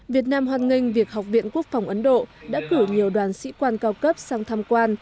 việt nam hoan nghênh việc học viện quốc phòng ấn độ đã cử nhiều đoàn sĩ quan cao cấp sang tham quan